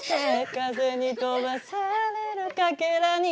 「風に飛ばされる欠片に」